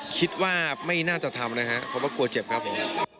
คิดว่าไม่น่าจะทำนะครับเพราะว่ากลัวเจ็บครับผม